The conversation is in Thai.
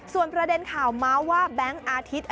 ส่วนประเด็นข่าวเมาส์ว่าแบงค์อาทิตย์